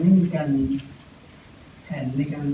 ไม่มีการแผ่นในการไก่เกียร์